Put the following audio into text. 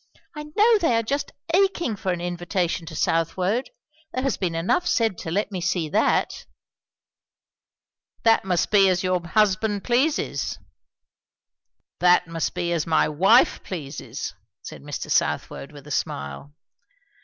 "I know they are just aching for an invitation to Southwode. There has been enough said to let me see that." "That must be as your husband pleases." "That must be as my wife pleases," said Mr. Southwode with a smile.